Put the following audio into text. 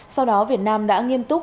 sau đó việt nam đã nghiêm túc